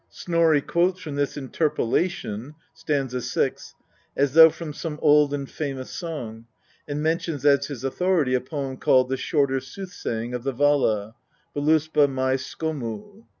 Snorri quotes from this interpolation (st. 6) as though from some old and famous song, and mentions as his authority a poem called "The Shorter Soothsaying of the Vala" "Voiuspa mni skommu."